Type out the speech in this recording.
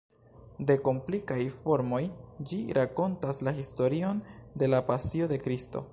De komplikaj formoj, ĝi rakontas la historion de la Pasio de Kristo.